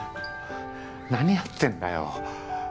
何やってんだよ？